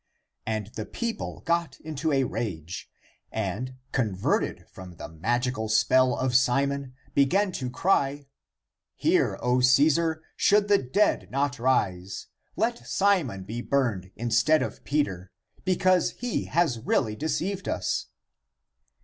And the people got into a rage and, converted from the magical spell of Simon, began to cry, " Hear, O Caesar, should the dead not rise, let Simon be burned instead of Peter, because he has really de ceived us."